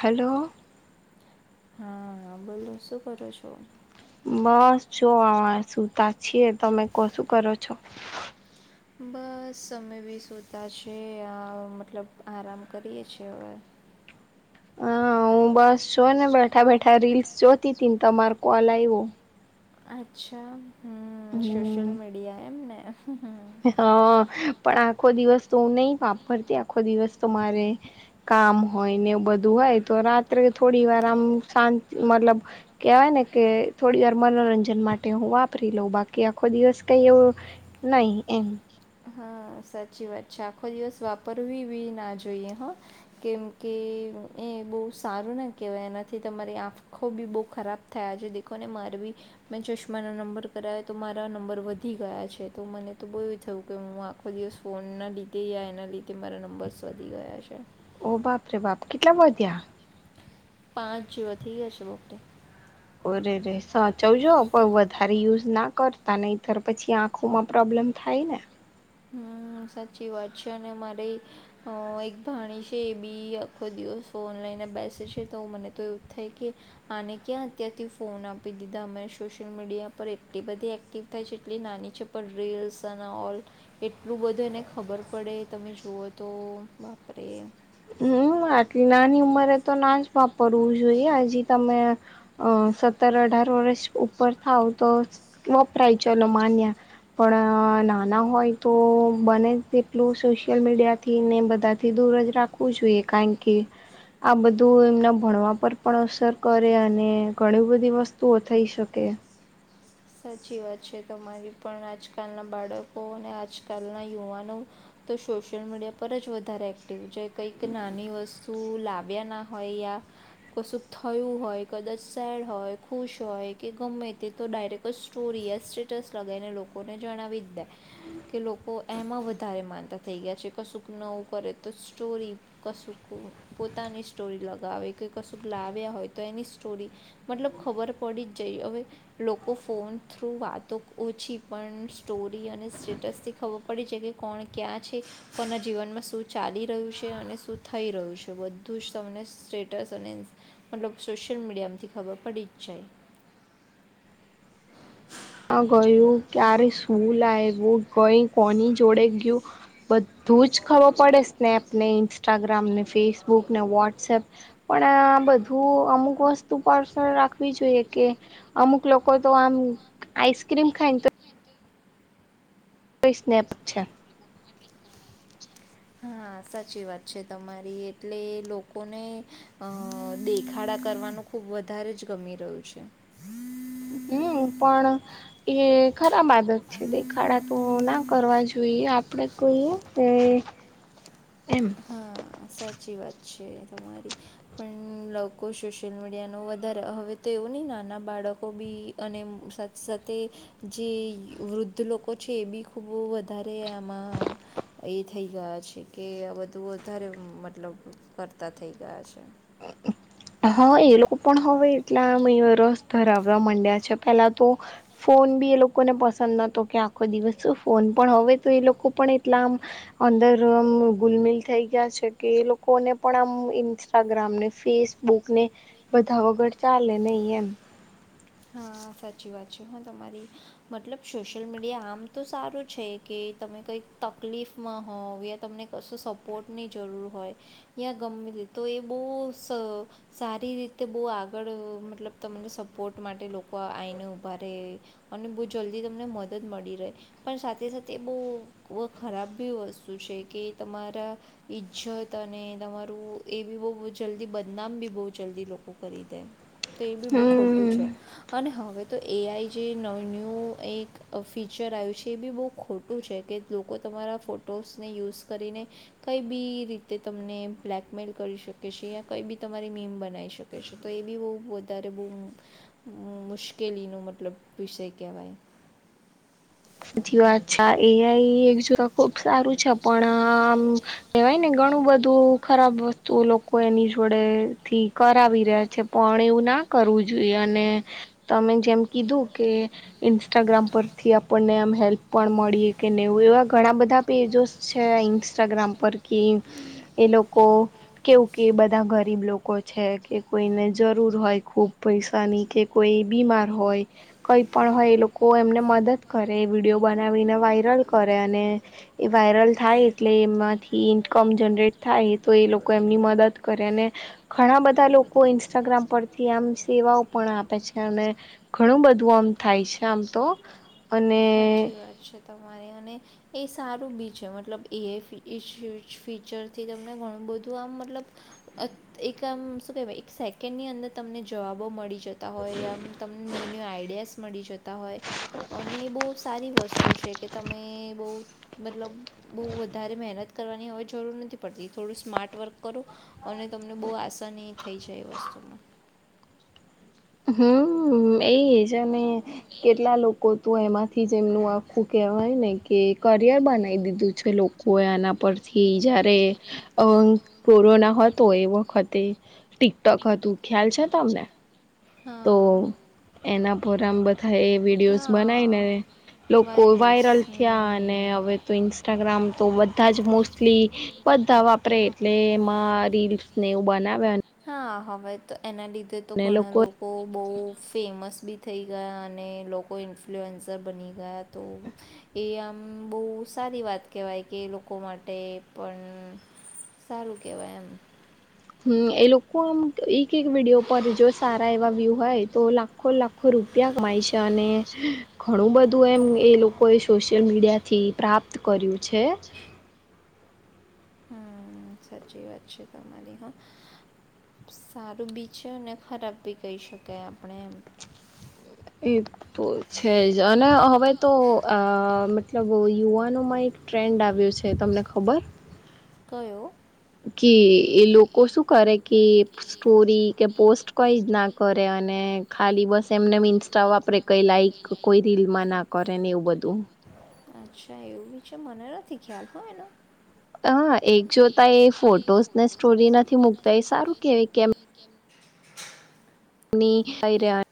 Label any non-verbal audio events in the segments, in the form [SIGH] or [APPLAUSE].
હાલો. હા બોલો શું કરો છો? બસ જો આ સુતા છીએ તમે કો શું કરો છો? બસ અમે બી સુતા છે આ મતલબ આરામ કરીએ છીએ હવે. [INAUDIBLE] હું બસ છો ને બેઠા બેઠા રીલ્સ જોતી હતીને તમાર કોલ આવ્યો. અચ્છા હ સોશિયલ મીડિયા એમને. હા પણ આખો દિવસ તો હું નહી વાપરતી આખો દિવસ તો મારે આમ હોય ને એ બધું હોય તો રાત્રે થોડી વાર આમ શાંત મતલબ કેવાય ને કે થોડી વાર મનોરંજન માટે હું વાપરી લઉં બાકી આખો દિવસ કંઈ એવો નહી. એમ. હા સાચી વાત છે આખો દિવસ વાપરવી બી ના જોઈએ હા કેમકે. એ બહ સારું ના કેવાય એનાથી તમારી આંખો બી બહ ખરાબ થયા છે દેખો ને માર. ચશ્મા ન નંબર કરાવે તો મારા નંબર વધી ગયા છે તો મને તો બહ થયું. કે હું આખો દિવસ ફોનના લીધે યા એના લીધે મારા નંબર્સ વધી ગયા છે. ઓ બાપ રે બાપ કેટલા વધ્યા? પાંચ જવા ઈ જ છે. ઓરે રે સાચવજો પણ વધારે યુઝ ના કરતા નહી ત પછી આંખો માં પ્રોબ્લેમ થાય ને. હમ. સાચી વાત છે અને મારી અ એક ભાણી છે એ બી આખો દિવસ ઓનલાઈન બેસે છે તો મને તો એવું થાય કે આને ક્યાં અત્યારથી ફોન આપી દીધા મને સોશિયલ મીડિયા પર એટલી બધી એક્ટિવ થાય છે એટલી નાની છે પણ રીલસ અને ઓલ એટલું બધું એને ખબર પડે તમે જુઓ તો બાપરે. હમ આટલી નાની ઉંમરે તો ના જ વાપરવું જોઈએ હજી તમે સત્તર અઢાર વર્ષ ઉપર થાવ તો વપરાય ચલો માન્યા. પણ નાના હોય તો બને જ તેટલું સોશિયલ મીડિયા થી ને બધા થી દુ દૂરજ રાખવું જોઈએ કારણ કે આ બધું એમના ભણવા પર પણ અસર કરે અને ઘણી બધી વસ્તુઓ થઈ શકે. એ. [UNINTELLIGIBLE] સાચી વાત છે તમારી પણ આજકાલના બાળકો અને આજકાલના યુવાનો તો સોશિયલ મીડિયા પર જ વધારે એક્ટિવ જે કંઈક નાની વસ તુ લાવ્યા ના હો યા કશું થયું હોય કદાચ સેડ હોય ખુશ હોય કે ગમે તે તો ડાયરેક્ટ સ્ટોરીય સ્ટેટસ લગીને લોકોને જણાવી દે. કે લોકો એમાં વધારે માનતા થઈ ગયા છે કશુંક નવું કરે તો સ્ટોરી કશું પોતાની સ્ટોરી લગાવે કે કશું લાવ્યા હોય તો એની સ્ટોરી મતલબ ખબર પડે જઈ હવે લોક ઓ ફોન થ્રુ વાતો ઓછી પણ સ્ટોરી અને સ્ટેટસથી ખબર પડી છે કે કોણ ક્યાં છે કોના જીવનમાં શું ચાલી રહ્યું છે અને શું થઈ રહ્યું છે બધું જ તમને સ્ટેટસ અને મતલબ સોશિયલ મીડિયામાંથી ખબર પડી જ જાય. હ ગયું ક્યારે શું લાવવું કઈ કોની જોડે ગયું બધું જ ખબર પડે સ્નેપ ને ઇન્સ્ટાગ્રામને ફેસબુકને વોટ્સએપ પણ આમ બધું અમુક વસ્તુ પાર્સલ રાખવી જોઈએ કે અમુક લોકો તો આમ આઈસ્ક્રીમ ખાઈને તો કો સ્નેપ છે હા સાચી વાત છે તમારી એટલે લોકોને અ દેખાડા કર નું ખબ વધારે જ ગમી રહ્યું છે. [UNINTELLIGIBLE] હમ પણ એ ખરાબ આદત છે દેખાડા તો ના કરવા જોઈએ આપણેે કોઈ હા સાચી વાત. તમા પણ લોકો સોશિયલ મીડિયા ન વધારે હવે તો એવું નહી નાના બાળક બાકો બી અને સાથે સાથે જે વૃદ્ધ લોકો છે એ બી ખુબ વધારે આમાં એ થઈ ગયા છે કે તો વધારે મતલબ કરતા થઈ ગયા છે. હા એ લોકો પણ હવે એટલા મે રસ ધરાવવા માંડ્યા છે પેલા તો ફોન બી એ લોકોને પસંદ નતો કે આખો દિવસ શ ફોન પણ હવે તો એ લોકો પણ એટલા આમ અંદર આમ ગુલમિલ થઈ ગયા છે કે એ લોકોને પણ આમ ઇન્સ્ટાગ્રામને ફેસક બુક ને બધા વગર ચાલે નહી એમ હા સાચી વાત છે હું તમારી મતલબ સોશિયલ મીડિયા આમ તો સારું છે કે તમે કઈ તકલીફ માં હોવ તમને કશ સપોર્ટની જરૂર હોય ગ તો એ બહુ સારી રીતે બહુ આગળ મતલબ તમને સપોર્ટ માટે લોકો આ આઈને ઉભા રહે અને બહુ જલ્દી તમને મદદ મળી રહે પણ સાથે સાથે એ બહુ ખરાબી વસ્તુ છે કે તમારા ઈજ્જત અને તમારું તો એ બી બહુ જલ્દી બદનામ બી બહુ જલ્દી લોકો કરી દે તો એ બી બહુ ખોટું છે. અને હવે તો એ આઈ જે ન ન્યૂ એક ફીચર આવ્યું છે એ બી બહુ ખોટું લોકો તમારા ફોટોને યુઝ કરીને કઈ બી રીતે તમને બ્લેક મેલ કરી શકે છે યા કઈ બી તમારી મીમ બનાવી શકે છે તો એ બી બહ વધારે બ મુશ્કેલીનો મતલબ વિષ કહેવાય સાધી વાત છેા એઆઈ એક જો ખુબ સારું છે. પણ આમ કહેવાય ને ઘણું બધું ખરાબ વસ્તુ લોકો એની જોડે થી કરાવી રહ્યા છે પણ એવું ના કરવું જોઈએ અને તમે જેમ કીધું કે ઇન્સ્ટાગ્રામ પરથી આપ આપણને આમ હેલ્પ પણ મળીએ કે નનેવું એવા ઘણા બધા પેજોસ છે ઇન્સ્ટાગ્રામ પર કે એ લોકો કેવું કે બધા ગરીબ લોકો છે કે કોઈને જરૂર હોય ખુબ પૈસાની કે કોઈ બીમાર હોય કઈ પણ હોય એ લોકો એમને મદદ કરે વિડીયો બનાવીને વાયરલ કરે અને એ વાયરલ થાય એટલે એમાંથી ઇ કમ જનરેટ થાય તો એ લોકો એમની મદદ કરે અને ઘણા બધા લોકો ઇન્સ્ટાગ્રામ પર થી આમ સેવાઓ પણ આપે છે અને ઘણું બધું આમ થાય છે આમ તો સાચી વાત છે તમારે અને એ સારું બી છે મતલબ એ ફીચરથી તમને ઘણું બધું આમ મતલબ એક આમ શું કેવાય એક સેકન્ડની અંદર તમને જવાબો મળી જ હોયમ તમને ન્યૂ ન્યૂ આઈડિયાસ મળી જતા હોય અને બો વસ્તુ છે કે તમે બ‌ઉ મતલબ બ‌ઉ વધારે મહેનત કરવાની હવે જરૂર નથી પ થોડું સ્માર્ટ વર્ક કરો અને તમને બહુ આસાની થઈ જાય એ વસ્તુમાં [INAUDIBLE] [UNINTELLIGIBLE] [INAUDIBLE] હમ એજ અને કેટલા લોકો તું એમાંથી જ એમનું આખું કે વાય ને કે કરિયર બનાવી દીધું છે લોકો એ આના પરથી જયારે કોરોના હતો એ વખતે ટીકટોક હતું ખ્યાલ છે તમને તો એના પર રામ બધા એ વિડીયોઝ બનાવીને લોકો વાયરલ થયા અને હવે તો ઇન્સ્ટાગ્રામ તો બધા જ મોસ્ટલી બધા વાપરે એટલે એમાં રીલ્સ ને એવું બનાવ હા હવે તો એના લીધે તો ઘણા લોકો બહુ ફેમસ બી થઈ ગયા અને લોકો ઇન્ફ્લુએન્ઝર બની ગયા તો એ આમ બહુ સારી વાત કહેવાય કે એ લોકો માટે પણ સારું કહેવાય એમ હમ એ લોકો આમ એક એક વિડીયો પર જો સારા એવા વ્યુ હોય તો લાખો લાખો રૂ રૂપિયા કમાય છે અને ઘણું બધું એમ એ લોકોએ સોશિયલ મીડિયાથી પ્રાપ્ત કર્યું છે [UNINTELLIGIBLE] [INAUDIBLE] હમ સાચી વાત છે તમારી હા સારું બી છે ને ખરાબ બી કહી શકાય આપણે એમ એ તો છે જ અને હવે તો આ મતલબ યુવાનોમાં એક ટ્રેન્ડ આવ્યું છે તમને ખબર કયો કે એ લોકો શું કરે કે સ્ટોરી કે પોસ્ટ કંઈ જ ના કરે અને ખાલી બસ એમને એમ ઇન્સ્ટા વાપરે કંઈ લાઈઇક કોઈ રીલમાં ના કરે ફરેન એવું બધું અચ્છા એવું બી છે મને નથી ખ્યાલ હ એનો હા એક જોતા એ ફોટોસ ને સ્ટોરી નથી મુૂકતા એ સારું કેવાય કેમ ની હૈરયા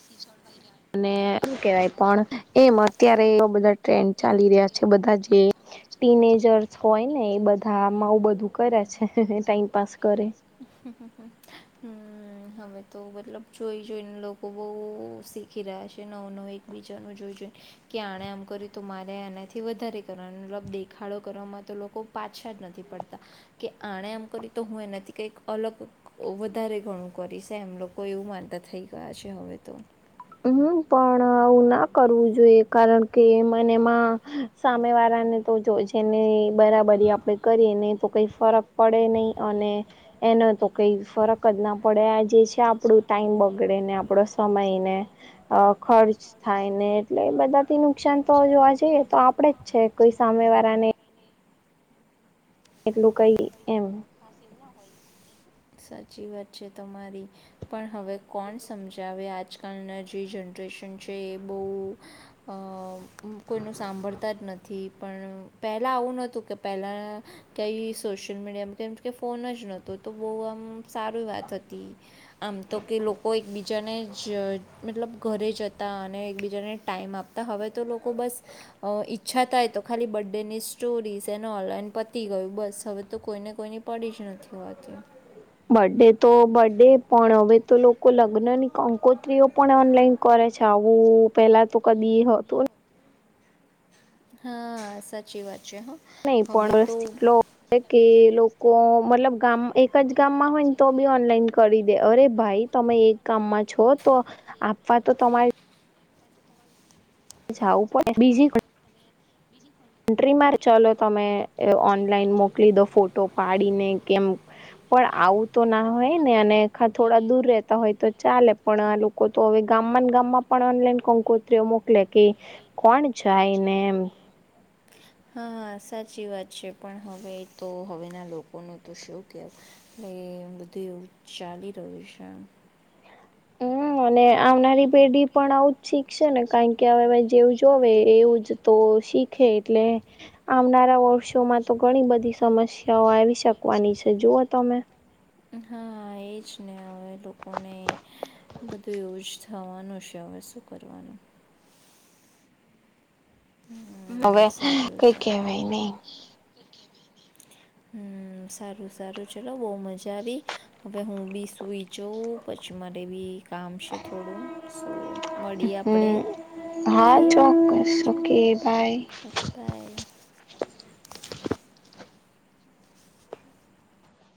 એી ચવાાઈ [UNINTELLIGIBLE] [INAUDIBLE] અને શું કેવાય પણ એમ અત્યારે એ બધા ટ્રેન્ડ ચાલી રહ્યા છે બધા જે ટીનેજ જર્સ હોય ને એ બધા આમાં બધું કરે છે ટાઈમપાસ કરે હમ હવે તો મતલબ જોઈ જોઈને લોકો બહુ શીખી રહ્યા છે નવ નવ એક બીજાનું જોઈ જોઈન કે આણે આમ કર્યું તો મારે આનાથી વધારે કરવાનું દેખાડો કરવામાં તો લોકો પાછા જ નથી પડતા કે આણે એમ કર્યું તો હું એના થી કઈક અલગ વધારે ઘણું કરીસ એમ લોકો એવું માનતા થઈ ગયા છે હવે તો હમ પણ હું ના કરવું જોઈએ કારણ કે મને એમાં સામે વાળા ને તો જો જેને બરાબરી આપડે કરી ને તો કઈ ફરક પડે નહી અને એનો તો કંઈ ફરક જ ના પડે આ જે છે આપણું ટાઈમ બગડેને આપણો સમયને અ ખર્ચ થાય ને એટલે બધાથી નુકસાન તો જોવા જઈએ તો આપડે જ છે. સામેવારાને એટલું કઈ એમ સાચી વાત છે તમારી પણ હવે કોણ સમજાવે આજકાલના જે જનરેશન છે એ બોઉ અ કોઈનું સાંભળતા જ નથી પણ પેહલા આવું નતું કે પહેલા કંઈ સોશિયલ મીડિયા કેમ કે ફોન જ નહોતુ તો બહુ આમ સારી વાત હતી આમ તો કે લોકો એકબીજાને જ મતલબ ઘરે જતા હા ને એક બીજાને ટાઈમ આપતા હવે લોકો બસ ઈચ્છા થાય તો ખાલી બડેની સ્ટો સ્ટોરીસ અન ઓનલાઇન પતિ ગયું બસ હવે તો કોઈને કોઈની પડી જ નથી હોતી બર્ડે તો બર્ડે પણ હવે તો લોકો લગ્નની કકોત્રીઓ પણ ઓનલાઈન કરે છે આવું પેલા તો કદી હતું ન હા સાચી વાત નહી પણ [UNINTELLIGIBLE] સ એટલો કે લોકો મતલબ ગામ એક જ ગામમાં હોયન તો બી ઓનલાઈન કરી દે અરે ભાઈ તમે એક ગામમાં છો. તો આપવા તો તમારે જાવું પડે [UNINTELLIGIBLE] બીજી [UNINTELLIGIBLE] એન્ટ્રીમાંર ચલો તમે ઓનલાઈન મોકલી દો ફોટો પાડીને કેમ પણ આવું તો ના હોય ને અને ખા થોડા દૂર રહેતા હોય તો ચાલે પણ આ લોકો તો હવે ગામ ગામાને ગામમાં પણ ઓનલાઈન કંકોત્રીઓ મોકલે કે કોણ જાયને એમ હા સાચી વાત છે પણ હવે તો હવેના લોકોનું તો શું કેવ એ બધું એવું ચાલી રહ્યું છે. અને આવનારી પેઢી પણ આવું જ શીખશે ને કારણ કે હવે જેવું જોવે એવું જ તો શીખે એટલે આવનારા વર્ષોમાં તો ઘણી બધી સમસ્યાઓ આવી શકવાની છે જુઓ તમે હા એજ ને હવે લોકોને બધું યુઝ થવાનું છે હવે શું કરવાનું હવે કઈ કેવાય ની [INAUDIBLE] હમ સારું સારું ચલો બહ મજા આવી હવે હું બી સુઈ જાઉં પછી મા દેવી કામ છે થોડું સો મળીએ આપણે ઓકે યશ ઓકે બાઈ